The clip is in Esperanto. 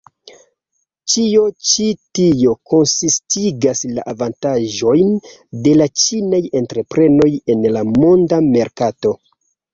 Ĉio ĉi tio konsistigas la avantaĝojn de la ĉinaj entreprenoj en la monda merkato.